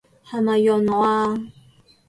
係咪潤我啊？